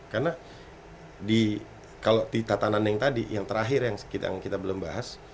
karena di kalau di tatanan yang tadi yang terakhir yang kita belum bahas